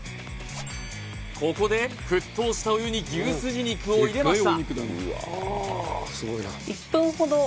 ここで沸騰したお湯に牛すじ肉を入れました